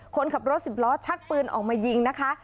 คนขับรถสิบล้อชักปืนออกมายิงนะคะ